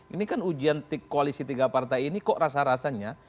ini kan ujian koalisi tiga partai ini kok rasa rasanya